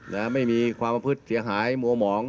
นะไม่มีความประพฤติเสียหายมัวหมอง